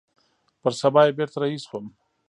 پر سبا يې بېرته رهي سوم.